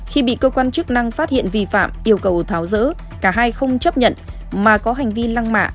khi bị cơ quan chức năng phát hiện vi phạm yêu cầu tháo rỡ cả hai không chấp nhận mà có hành vi lăng mạ